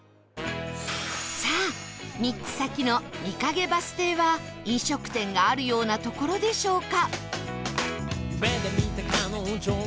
さあ３つ先の三ヶ木バス停は飲食店があるような所でしょうか？